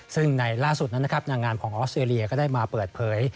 ซึ่งในล่าสุดนั้นนะครับนางงามของออสเตรเลียก็ได้มาเปิดเผย